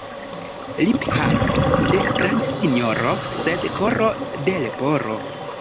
Lipharo de grandsinjoro, sed koro de leporo.